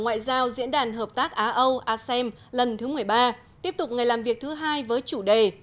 ngoại giao diễn đàn hợp tác á âu asem lần thứ một mươi ba tiếp tục ngày làm việc thứ hai với chủ đề